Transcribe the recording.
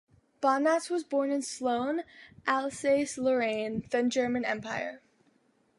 Bonatz was born in Solgne, Alsace-Lorraine, then German Empire.